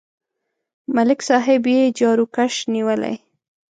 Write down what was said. ملک صاحب یې جاروکش نیولی.